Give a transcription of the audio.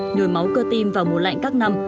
nhồi máu cơ tim vào mùa lạnh các năm